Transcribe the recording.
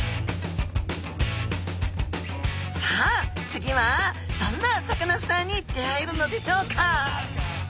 さあ次はどんなサカナスターに出会えるのでしょうか？